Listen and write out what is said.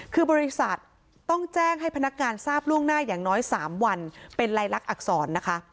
คือบริษัทต้องแจ้งให้พนักงานทราบล่วงหน้าอย่างน้อย๓วันเป็นลายลักษณอักษรนะคะ